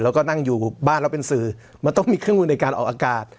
แล้วก็นั่งอยู่บ้านแล้วเป็นสื่อมันต้องมีเครื่องมือในการออกอากาศ